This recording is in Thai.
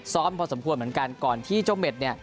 พอสมควรเหมือนกันก่อนที่เจ้าเม็ดเนี่ย